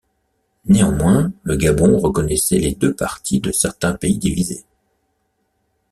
Néanmoins, le Gabon reconnaissait les deux parties de certains pays divisés.